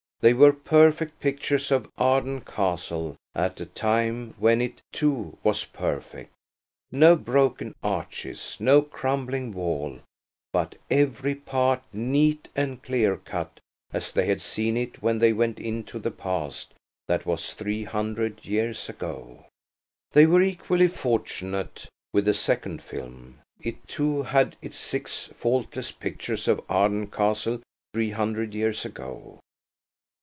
They were perfect pictures of Arden Castle at a time when it, too, was perfect. No broken arches, no crumbling wall, but every part neat and clear cut as they had seen it when they went into the past that was three hundred years ago. They were equally fortunate with the second film. It, too, had its six faultless pictures of Arden Castle three hundred years ago.